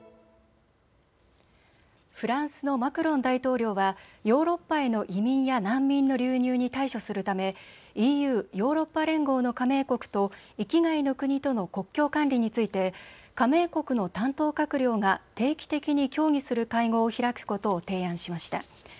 フランスのマクロン大統領はヨーロッパへの移民や難民の流入に対処するため、ＥＵ・ヨーロッパ連合の加盟国と域外の国との国境管理について加盟国の担当閣僚が定期的に協議する会合を開くことを提案しました。